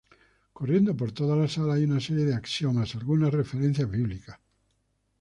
Corriendo por toda la sala hay una serie de axiomas, algunos referencias bíblicas.